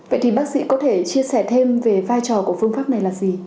vậy thì bác sĩ có thể chia sẻ thêm về vai trò của phương pháp này là gì